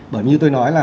bởi như tôi nói là